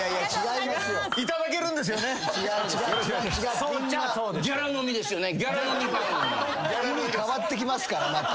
意味変わってきますからまた。